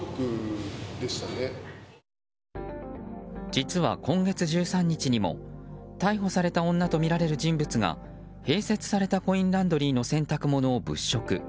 実は、今月１３日も逮捕された女とみられる人物が併設されたコインランドリーの洗濯物を物色。